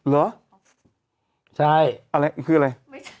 ขออีกทีอ่านอีกที